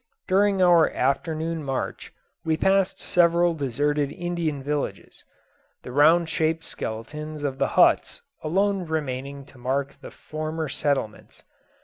During our afternoon march we passed several deserted Indian villages the round shaped skeletons of the huts alone remaining to mark the former settlements.